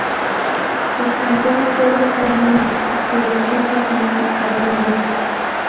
El campeón fue Boca Juniors, que venció en la final a Bolívar.